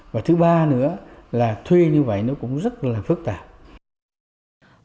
và thứ ba nữa là thuê như vậy nó cũng rất là phức tạp